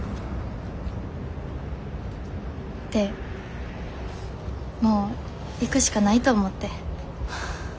でもう行くしかないと思って。